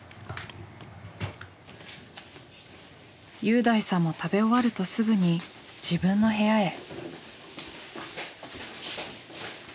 侑大さんも食べ終わるとすぐに自分の部屋へ。